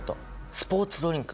スポーツドリンク！